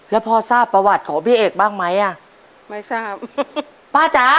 แล้วพ่อทราบประวัติของพี่เอกบ้างไหมไม่ทราบ